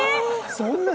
そんなに？